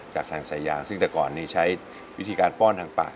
จากทางสายาซึ่งแต่ก่อนนี้ใช้วิธีการป้อนทางป่า